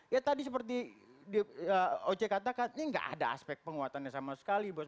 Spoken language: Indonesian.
ya tadi seperti oce katakan ini nggak ada aspek penguatannya sama sekali bos